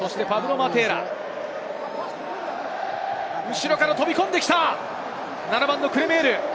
後ろから飛び込んできた、７番・クレメール。